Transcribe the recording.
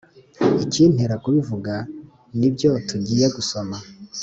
ikintera kubivuga ni ibyo tugiye gusoma